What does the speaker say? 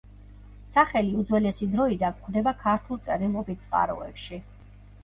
სახელი უძველესი დროიდან გვხვდება ქართულ წერილობით წყაროებში.